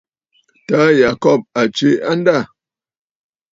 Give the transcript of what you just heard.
Taà Yacob a tswe andâ.